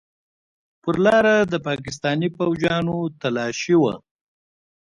پر لاره د پاکستاني فوجيانو تلاشي وه.